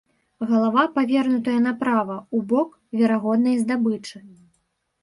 Галава павернутая направа, у бок верагоднай здабычы.